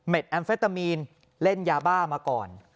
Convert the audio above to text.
แอมเฟตามีนเล่นยาบ้ามาก่อน